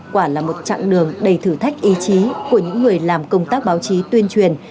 quả là một chặng đường đầy thử thách ý chí của những người làm công tác báo chí tuyên truyền